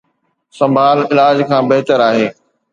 سنڀال علاج کان بهتر آهي